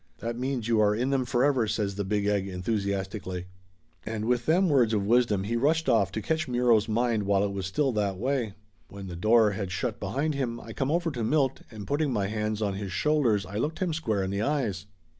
"That means you are in them forever!" says the Big Egg enthusiastically. Laughter Limited 337 And with them words of wisdom he rushed off to catch Muro's mind while it was still that way. When the door had shut behind him I come over to Milt, and putting my hands on his shoulders I looked him square in the eyes.